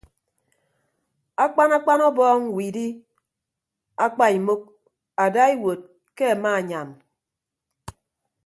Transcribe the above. Akpan akpan ọbọọñ widdie apaimuk adaiwuod ke amaanyam.